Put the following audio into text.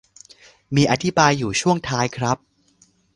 มีอธิบายอยู่ช่วงท้ายครับ